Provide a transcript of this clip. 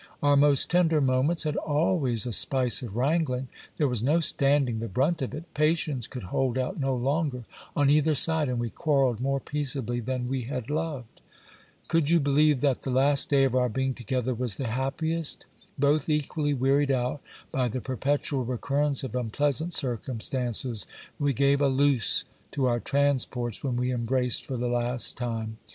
Our most tender moments had always a spice of wrangling. There was no standing the brunt of it ; patience could hold out no longer on either side, and we quarrelled more peaceably than we had loved. Could you believe that the last day of our being together was the happiest ? both equally wearied out by the perpetual recurrence of unpleasant circumstances, we gave a loose to our transports when we embraced for the last time.